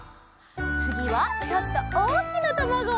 つぎはちょっとおおきなたまご！